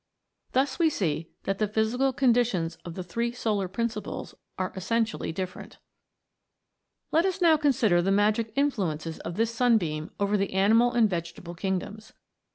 Thus we see that the physical conditions of the three solar principles are essentially different. Let us now consider the magic influences of this sunbeam over the animal and vegetable kingdoms.